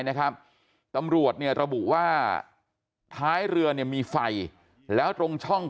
นะครับตำรวจเนี่ยระบุว่าท้ายเรือเนี่ยมีไฟแล้วตรงช่อง